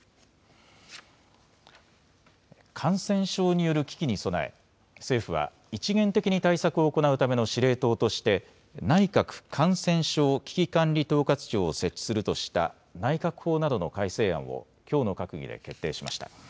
感染症による危機に備え政府は一元的に対策を行うための司令塔として内閣感染症危機管理統括庁を設置するとした内閣法などの改正案をきょうの閣議で決定しました。